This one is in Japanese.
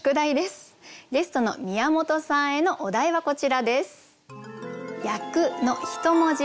ゲストの宮本さんへのお題はこちらです。